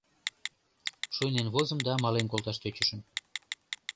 Шуйнен возым да мален колташ тӧчышым.